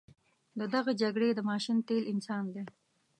د دغه جګړې د ماشین تیل انسان دی.